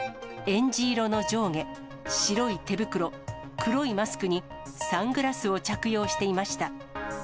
えんじ色の上下、白い手袋、黒いマスクにサングラスを着用していました。